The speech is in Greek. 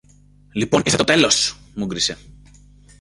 Λοιπόν, ήλθε το τέλος! μούγκρισε.